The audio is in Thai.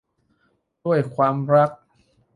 ด้วยความรัก